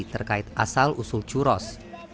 terkait asal usul churros